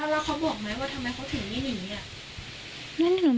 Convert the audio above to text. แล้วเขาบอกไหมว่าเขาถึงนี่หมินนี่